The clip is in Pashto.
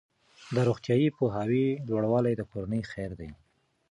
د روغتیايي پوهاوي لوړوالی د کورنۍ خیر دی.